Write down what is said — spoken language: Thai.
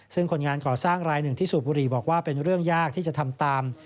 ซึ่งคนงานก่อสร้างรายหนึ่งที่สูบบุหรี่บอกว่าเป็นเรื่องยากที่จะทำตาม